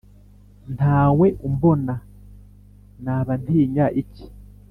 nta we umbona, naba ntinya iki?